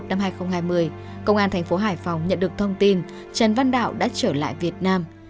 trong một ngày giữa tháng một năm hai nghìn hai mươi công an thành phố hải phòng nhận được thông tin trần văn đạo đã trở lại việt nam